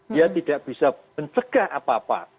dia tidak bisa mencegah apa apa